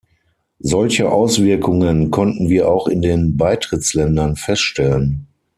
Solche Auswirkungen konnten wir auch in den Beitrittsländern feststellen.